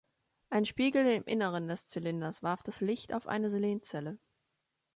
Ein Spiegel im Inneren des Zylinders warf das Licht auf eine Selenzelle.